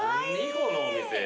このお店。